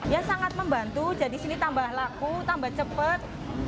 ya sangat membantu jadi sini tambah laku tambah cepat